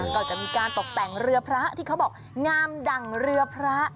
ก็จะมีการตกแต่งเรือพระที่เขาบอกงามดั่งเรือพระ